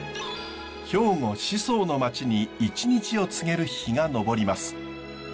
兵庫・宍粟の町に一日を告げる日が昇ります。